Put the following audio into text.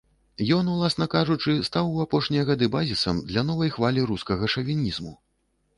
Ён, уласна кажучы, стаў у апошнія гады базісам для новай хвалі рускага шавінізму.